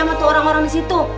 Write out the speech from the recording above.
sama tuh orang orang di situ